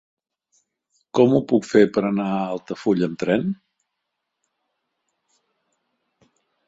Com ho puc fer per anar a Altafulla amb tren?